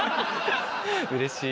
うれしい。